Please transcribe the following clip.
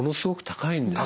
高い。